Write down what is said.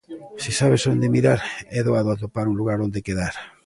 Se sabes onde mirar é doado atopar un lugar onde quedar.